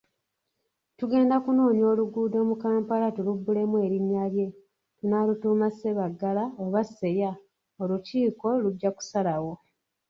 Tugenda kunoonya oluguudo mu Kampala tulubbulemu erinnya lye, tunaalutuuma Sebaggala oba Seya, olukiiko lujjakusalawo.